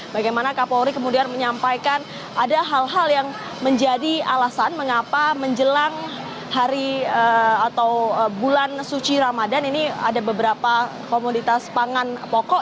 bagaimana kapolri kemudian menyampaikan ada hal hal yang menjadi alasan mengapa menjelang hari atau bulan suci ramadan ini ada beberapa komoditas pangan pokok